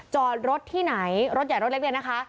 จอรถที่ไหนรถใหญ่รถเล็กนะคะ